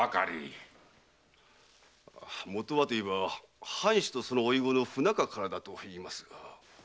もとはと言えば藩主とその甥御の不仲からだと言いますが。